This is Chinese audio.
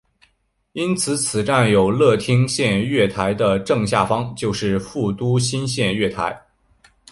因此此站的有乐町线月台的正下方就是副都心线月台。